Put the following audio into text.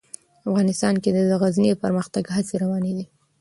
افغانستان کې د غزني د پرمختګ هڅې روانې دي.